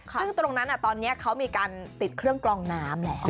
ซึ่งตรงนั้นตอนนี้เขามีการติดเครื่องกลองน้ำแล้ว